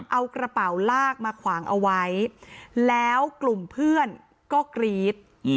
เอากระเป๋าลากมาขวางเอาไว้แล้วกลุ่มเพื่อนก็กรี๊ด